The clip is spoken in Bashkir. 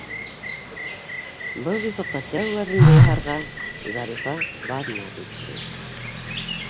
Был юҫыҡта тәүге аҙымды яһарға Зарифа баҙнат итте: